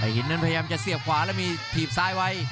หินนั้นพยายามจะเสียบขวาแล้วมีถีบซ้ายไว้